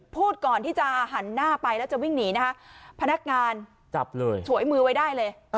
พูดก่อนที่จะหันหน้าไปแล้วจะวิ่งหนีนะคะพนักงานจับเลยฉวยมือไว้ได้เลย